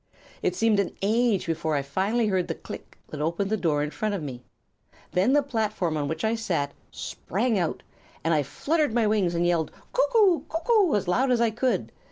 "It seemed an age before I finally heard the click that opened the door in front of me. Then the platform on which I sat sprang out, and I fluttered my wings and yelled 'Cuck oo! Cuck oo!' as loud as I could.